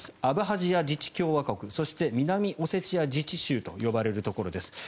アブハジア自治共和国そして南オセチア自治州と呼ばれるところです。